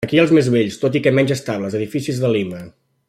Aquí hi ha els més vells, tot i que menys estables, edificis de Lima.